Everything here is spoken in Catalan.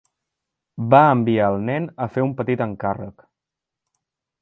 Va enviar el nen a fer un petit encàrrec.